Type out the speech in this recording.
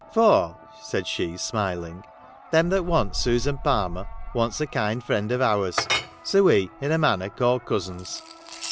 ' For,' said she, smiling, ' them that wants Susan Palmer wants a kind friend of ours ; so we, in a manner, call cousins.